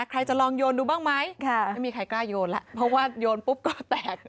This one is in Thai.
ใครจะลองโยนดูบ้างไหมไม่มีใครกล้าโยนแล้วเพราะว่าโยนปุ๊บก็แตก